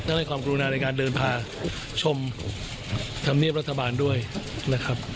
ให้ความกรุณาในการเดินพาชมธรรมเนียบรัฐบาลด้วยนะครับ